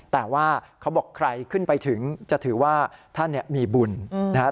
แต่ว่าเขาบอกใครขึ้นไปถึงจะถือว่าท่านมีบุญนะครับ